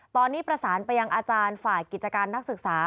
ตอนนี้ประสานไปยังอาจารย์ฝ่ายกิจการนักศึกษา